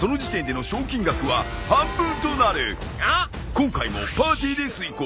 今回もパーティーで遂行。